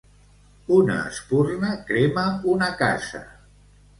Una espurna crema una casa.